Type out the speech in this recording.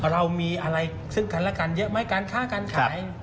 เรามีอะไรซึ่งกันและกันเยอะไหมการค้าการขาย